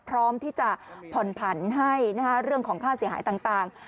พร้อมที่จะผ่อนผันให้เรื่องของค่าเสียหายต่าง